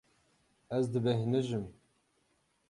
Ez dibêhnijim.